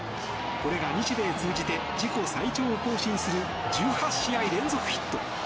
これが日米通じて自己最長を更新する１８試合連続ヒット。